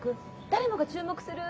誰もが注目する？